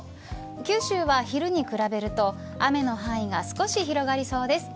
九州は昼に比べると雨の範囲が少し広がりそうです。